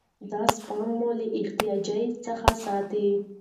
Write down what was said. دا سپما مو له احتیاج څخه ساتي.